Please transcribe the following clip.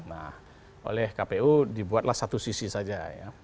nah oleh kpu dibuatlah satu sisi saja ya